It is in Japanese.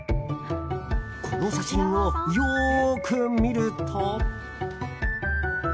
この写真をよく見ると。